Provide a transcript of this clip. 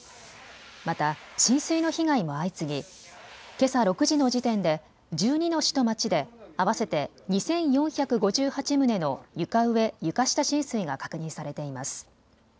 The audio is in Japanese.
また浸水の被害も相次ぎけさ６時の時点で１２の市と町で合わせて２４５８棟の床上・床下浸水が確認されています。